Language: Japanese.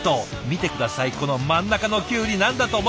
見て下さいこの真ん中のきゅうり何だと思います？